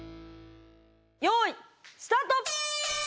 よいスタート！